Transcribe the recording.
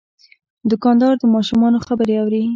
دوکاندار د ماشومانو خبرې اوري.